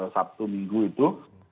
sabtu minggu itu